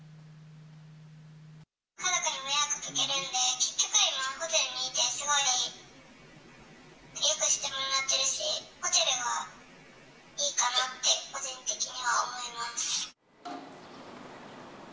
家族にも迷惑かけるんで、ホテルにいてよくしてもらっているし、ホテルがいいかなって、個人的には思いますし。